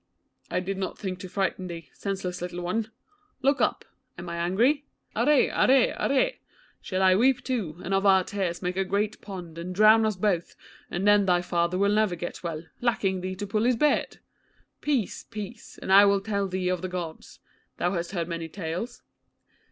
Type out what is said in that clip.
'I did not think to frighten thee, senseless little one. Look up! Am I angry? Aré, aré, aré! Shall I weep too, and of our tears make a great pond and drown us both, and then thy father will never get well, lacking thee to pull his beard? Peace, peace, and I will tell thee of the Gods. Thou hast heard many tales?'